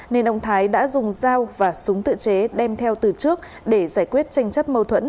nên ông thái đã dùng dao và súng tự chế đem theo từ trước để giải quyết tranh chấp mâu thuẫn